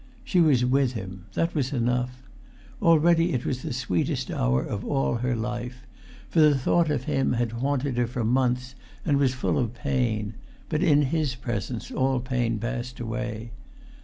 She was with him; that was enough. Already it was the sweetest hour of all her life; for the thought of him had haunted her for months, and was full of[Pg 367] pain; but in his presence all pain passed away.